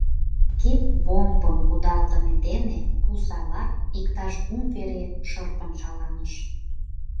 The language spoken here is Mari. Кид бомбым кудалтыме дене пу савар иктаж кум вере шырпын шаланыш.